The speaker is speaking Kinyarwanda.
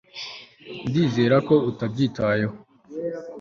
ndizera ko utabyitayeho